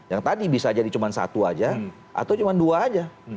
yang tadi bisa jadi cuma satu aja atau cuma dua aja